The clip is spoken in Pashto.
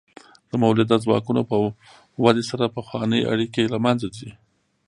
د مؤلده ځواکونو په ودې سره پخوانۍ اړیکې له منځه ځي.